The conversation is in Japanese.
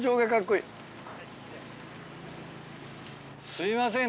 すいません